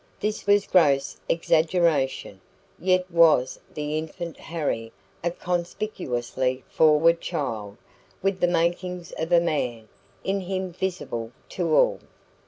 This was gross exaggeration, yet was the infant Harry a conspicuously forward child, with the "makings of a man" in him visible to all.